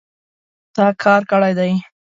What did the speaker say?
تا کار کړی دی